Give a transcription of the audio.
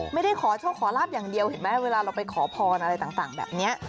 ไม่ได้ขอโชคขอลาบอย่างเดียวเห็นไหมเวลาเราไปขอพรอะไรต่างแบบนี้